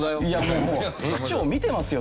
もう区長見てますよ